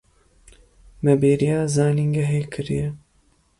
Me bêriya zanîngehê kiriye.